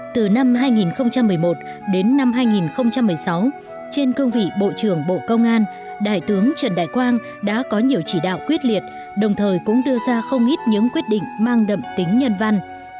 từ năm hai nghìn một mươi một đến năm hai nghìn một mươi sáu trên cương vị bộ trưởng bộ công an đại tướng trần đại quang đã có nhiều chỉ đạo quyết liệt đồng thời cũng đưa ra không ít những quyết định mang đậm tính nhân văn